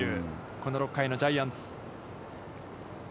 この６回のジャイアンツ。